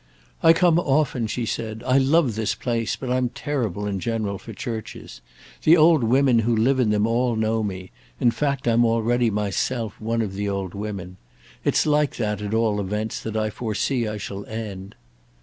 "I come often," she said. "I love this place, but I'm terrible, in general, for churches. The old women who live in them all know me; in fact I'm already myself one of the old women. It's like that, at all events, that I foresee I shall end."